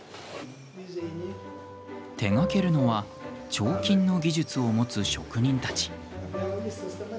手がけるのは彫金の技術を持つ職人たち。